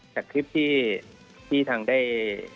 จากคลิปที่ทางได้